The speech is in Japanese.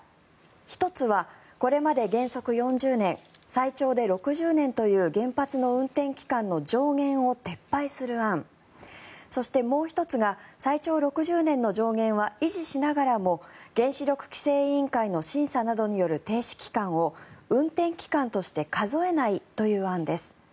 １つはこれまで原則４０年最長で６０年という原発の運転期間の上限を撤廃する案そして、もう１つが最長６０年の上限は維持しながらも原子力規制委員会の審査などによる停止期間を運転期間として数えない案です。